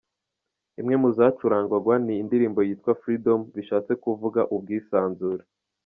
Imwe mu zacurangwaga ni indirimbo ye yitwa Freedom, bishatse kuvuga ubwisanzure.